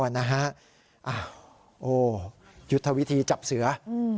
โอ้โหยุทธวิธีจับเสือ